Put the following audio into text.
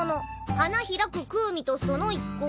花開くクウミとその一行。